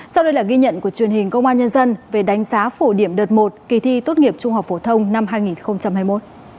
sau đây là ghi nhận của truyền hình công an nhân dân về đánh giá phổ điểm đợt một kỳ thi tốt nghiệp trung học phổ thông năm hai nghìn hai mươi một